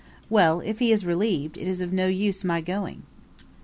"Well, if he is relieved, it is of no use my going."